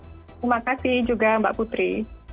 terima kasih juga mbak putri